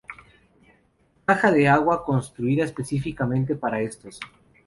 Caja de Agua, construida específicamente para estos.